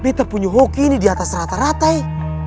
mamai beta punya hoki ini di atas rata rata eh